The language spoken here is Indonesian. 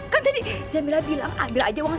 kan tadi jamila bilang ambil aja uang